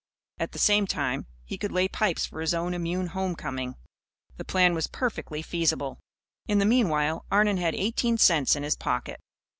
At the same time, he could lay pipes for his own immune home coming. The plan was perfectly feasible. In the meanwhile, Arnon had eighteen cents in his pocket.